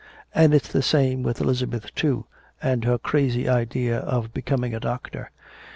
And it's the same way with Elizabeth, too, and her crazy idea of becoming a doctor.